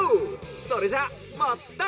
それじゃあまたね」。